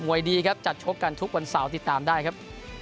ดีครับจัดชกกันทุกวันเสาร์ติดตามได้ครับ